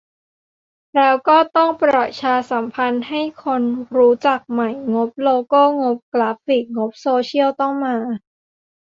แล้วก็ต้องประชาสัมพันธ์ให้คนรู้จักใหม่ งบโลโก้ งบกราฟิก งบโซเชียลต้องมา